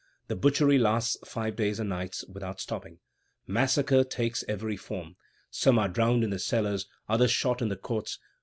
The butchery lasts five days and nights without stopping. Massacre takes every form; some are drowned in the cellars, others shot in the courts.